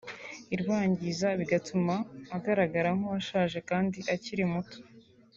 irwangiza bigatuma agaragara nk’uwushaje kandi akiri muto